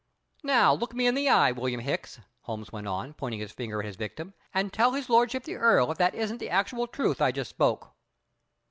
"Now, look me in the eye, William Hicks!" Holmes went on, pointing his finger at his victim, "and tell His Lordship the Earl if that isn't the actual truth I just spoke."